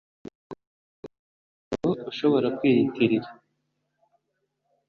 Nta munyamuryango ushobora kwiyitirira